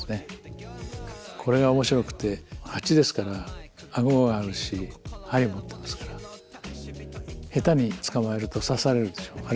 これが面白くて蜂ですから顎があるし針持ってますから下手に捕まえると刺されるでしょうあるいはかまれる。